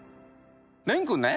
蓮君ね